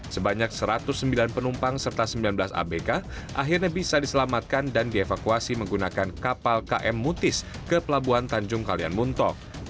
sebanyak satu ratus sembilan penumpang serta sembilan belas abk akhirnya bisa diselamatkan dan dievakuasi menggunakan kapal km mutis ke pelabuhan tanjung kalian muntok